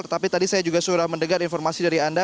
tetapi tadi saya juga sudah mendengar informasi dari anda